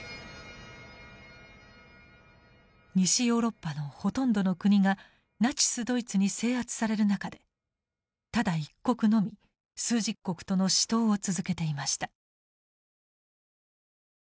西ヨーロッパのほとんどの国がナチスドイツに制圧される中でただ一国のみ枢軸国との死闘を続けていました。